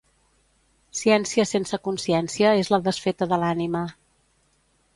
Ciència sense consciència és la desfeta de l'ànima.